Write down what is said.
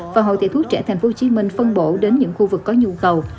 và hội thầy thuốc trẻ tp hcm phân bổ đến những khu vực có nhu cầu